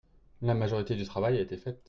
La majorité du travail a été faite.